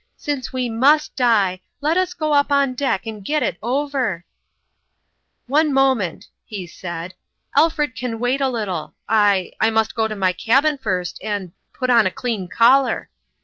Since we must die, let us go up on deck and get it over !"" One moment," he said ;" Alfred can wait a little. I I must go to my cabin first, and put on a clean collar."